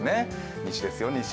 西ですよ、西。